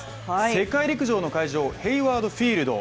世界陸上の会場、ヘイワード・フィールド